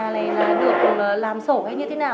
tòa này là được làm sổ hay như thế nào